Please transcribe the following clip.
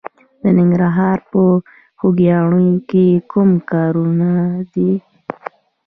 د ننګرهار په خوږیاڼیو کې کوم کانونه دي؟